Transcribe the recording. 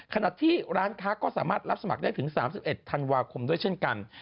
ขณะที่ร้านค้าก็สามารถรับสมัครได้ถึง๓๑ธันวาคมด้วยเช่นกัน